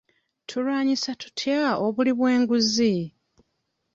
Tulwanyisa tutya obuli bw'enguzi?